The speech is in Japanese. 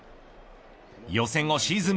予選をシーズン